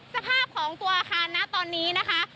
สภาพของตัวอาคารนะตอนนี้นะคะ